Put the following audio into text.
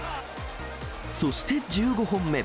そして１５本目。